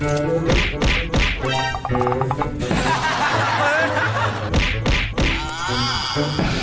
ขาดแล้ว